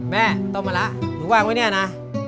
แม่ต้มมะระอยู่บ้างไว้เนี่ยนะ